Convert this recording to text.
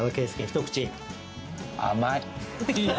甘い。